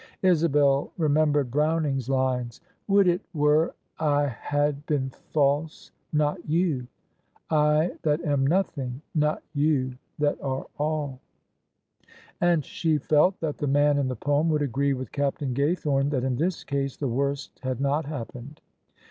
Isabel remembered Browning's lines — "Would it were I had been false — not you; I that am nothing, not you that are all I" OF ISABEL CARNABY And she felt that the man in the poem would agree with Captain Gaythorne that in this case the worst had not happened.